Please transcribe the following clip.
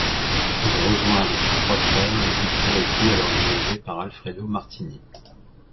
Il rejoint avec ses trois frères l'équipe Ferretti alors dirigée par Alfredo Martini.